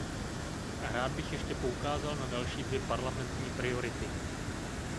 Rád bych ještě poukázal na další dvě parlamentní priority.